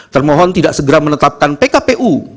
termohon tidak segera menetapkan pkpu